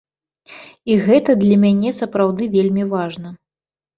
І гэта для мяне сапраўды вельмі важна.